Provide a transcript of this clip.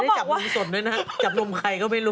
จับนมสดด้วยนะจับนมใครก็ไม่รู้